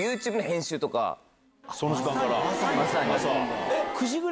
その時間から。